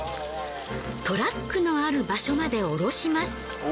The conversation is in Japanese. トラックのある場所まで下ろします。